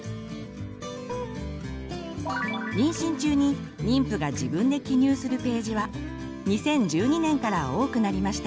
妊娠中に妊婦が自分で記入するページは２０１２年から多くなりました。